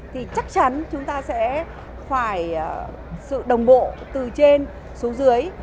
thì chắc chắn chúng ta sẽ phải sự đồng bộ từ trên xuống dưới